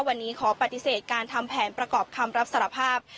วันนี้ขอปฏิเสธการทำแผนประกอบคำรับสารภาพ